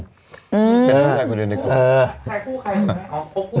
เป็นผู้ชายคนเดียวในกลุ่ม